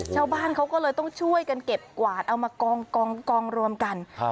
ชาวบ้านเขาก็เลยต้องช่วยกันเก็บกวาดเอามากองกองรวมกัน